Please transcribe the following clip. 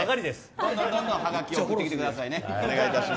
どんどんはがきを送ってきてくださいね。